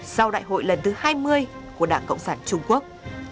sau đại hội lần thứ hai mươi của đảng cộng sản trung quốc